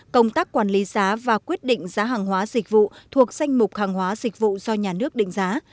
công tác quản lý giá và quyết định giá hàng hóa dịch vụ thuộc danh mục hàng hóa dịch vụ do nhà nước định giá